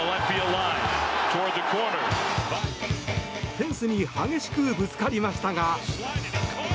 フェンスに激しくぶつかりましたが。